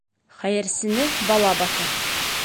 Хәйерсене бала баҫыр.